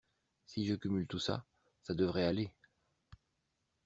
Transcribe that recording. Si je cumule tout ça, ça devrait aller.